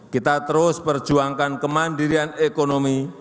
kita terus perjuangkan kemandirian ekonomi